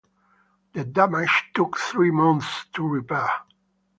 The damage took three months to repair.